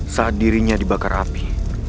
saat dirinya dibakar api